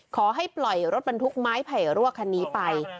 ขอให้ปล่อยรถบรรทุกไม้ไผ่รั่วคันนี้ไป